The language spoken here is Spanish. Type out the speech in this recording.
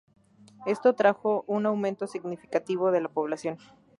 Esto trajo un aumento significativo de la población.